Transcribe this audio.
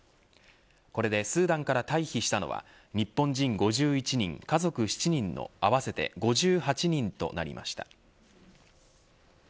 これでスーダンから退避したのは日本人５１人家族７人の合わせて５８人となりました。